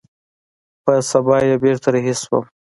پر سبا يې بېرته رهي سوم.